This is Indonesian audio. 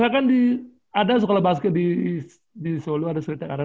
saya kan di ada sekolah basket di solo ada street tag ada